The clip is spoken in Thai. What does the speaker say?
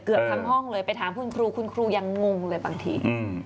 เกือบทั้งห้องเลยไปถามคุณครูคุณครูยังงงเลยบางที